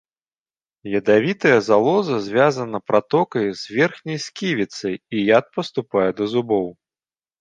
Ядавітая залоза звязана пратокай з верхняй сківіцай, і яд паступае да зубоў.